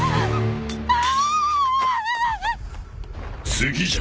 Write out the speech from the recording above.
・次じゃ。